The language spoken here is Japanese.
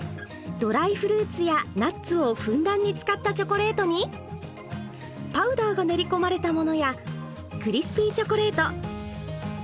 ドライフルーツやナッツをふんだんに使ったチョコレートにパウダーが練りこまれたものやクリスピーチョコレート。